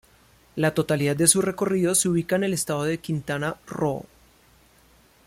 La totalidad de su recorrido se ubica en el estado de Quintana Roo.